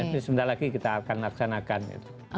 ini sebentar lagi kita akan laksanakan gitu